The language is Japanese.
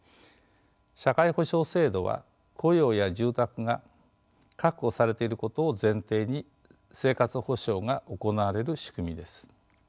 社会保障制度は雇用や住宅が確保されていることを前提に生活保障が行われる仕組みです。